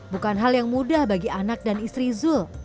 bukan hal yang mudah bagi anak dan istri zul